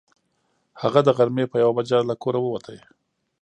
هغه د غرمې په یوه بجه له کوره ووت.